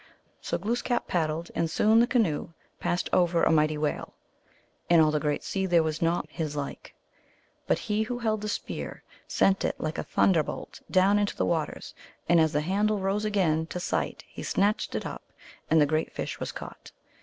So Glooskap paddled, and soon the canoe passed over a mighty whale ; in all the great sea there was not his like ; but he who held the spear sent it like a thunderbolt down into the waters, and as the handle rose again to sight he snatched it up, and the great fish was caught.